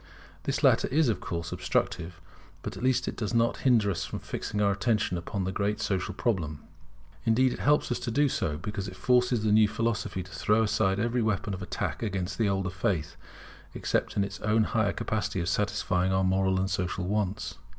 This latter is of course obstructive: but at least it does not hinder us from fixing our attention upon the great social problem. Indeed it helps us to do so: because it forces the new philosophy to throw aside every weapon of attack against the older faith except its own higher capacity of satisfying our moral and social wants.